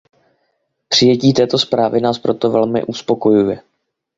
Přijetí této zprávy nás proto velmi uspokojuje.